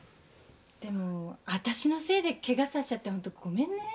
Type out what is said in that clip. でも私のせいでケガさせちゃってホントごめんね。